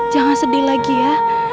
jangan sedih lagi ya